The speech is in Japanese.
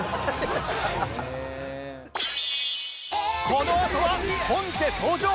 このあとは本家登場！